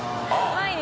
毎日。